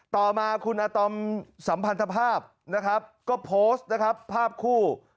ต่อมาคุณอาตอมสัมพันธภาพนะครับก็โพสต์นะครับภาพคู่